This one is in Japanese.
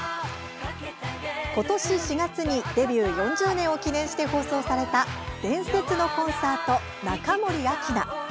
ことし４月にデビュー４０年を記念して放送された「伝説のコンサート中森明菜」。